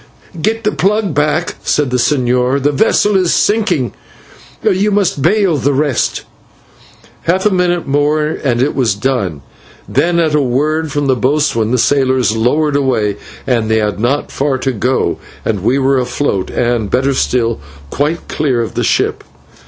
"Get the plug back," said the señor, "the vessel is sinking, you must bale the rest." Half a minute more and it was done; then, at a word from the boatswain, the sailors lowered away they had not far to go and we were afloat, and, better still, quite clear of the ship.